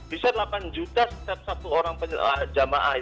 bisa delapan juta setiap satu orang penyelamat agama